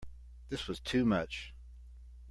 This was too much.